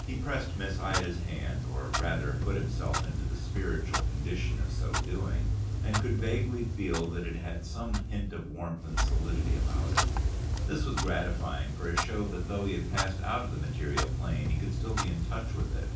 He pressed Miss Ida's hand (or rather put himself into the spiritual condition of so doing), and could vaguely feel that it had some hint of warmth and solidity about it. This was gratifying, for it showed that though he had passed out of the material plane, he could still be in touch with it.